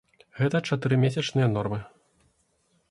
Гэта чатыры месячныя нормы.